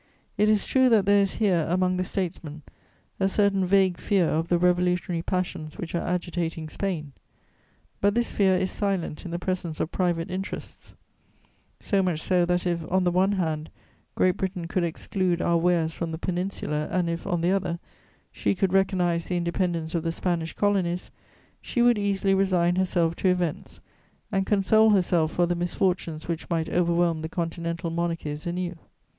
It is true that there is here, among the statesmen, a certain vague fear of the revolutionary passions which are agitating Spain; but this fear is silent in the presence of private interests: so much so that if, on the one hand, Great Britain could exclude our wares from the Peninsula and if, on the other, she could recognise the independence of the Spanish Colonies, she would easily resign herself to events and console herself for the misfortunes which might overwhelm the Continental monarchies anew.